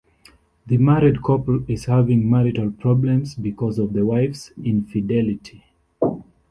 The married couple is having marital problems because of the wife's infidelity.